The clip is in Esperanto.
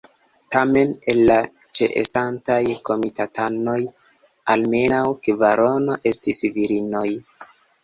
Tamen el la ĉeestantaj komitatanoj almenaŭ kvarono estis virinoj.